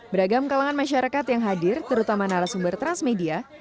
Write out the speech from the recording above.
beragam kalangan masyarakat yang hadir terutama narasumber transmedia